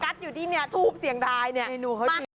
อยู่ที่เนี่ยทูบเสียงดายเนี่ย